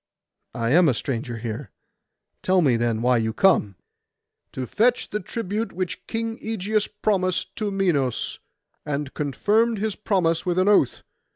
'I am a stranger here. Tell me, then, why you come.' 'To fetch the tribute which King Ægeus promised to Minos, and confirmed his promise with an oath.